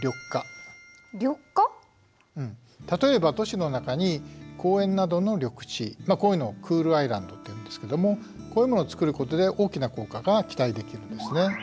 例えば都市の中に公園などの緑地こういうのをクールアイランドっていうんですけどもこういうものを作ることで大きな効果が期待できるんですね。